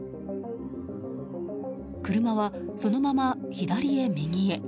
右はそのまま、左へ右へ。